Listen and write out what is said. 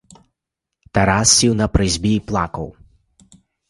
Тарас сів на призьбі й плакав.